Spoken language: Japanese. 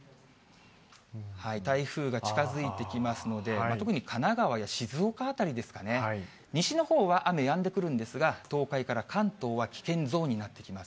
台風が近づいてきますので、特に神奈川や静岡辺りですかね、西のほうは雨やんでくるんですが、東海から関東は危険ゾーンになってきます。